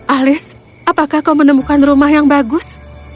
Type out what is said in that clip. alice apakah kau menemukan rumah yang bagus